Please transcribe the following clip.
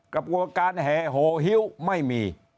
กรับโหวัการแห่โหวฮิวไม่มี